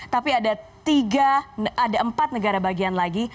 tapi ada tiga ada empat negara bagian lagi